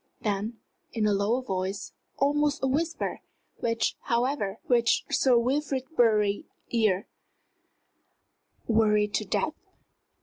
then, in a lower voice, almost a whisper, which, however, reached Sir Wilfrid Bury's ears "worried to death?"